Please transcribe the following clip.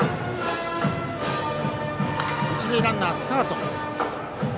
一塁ランナー、スタート。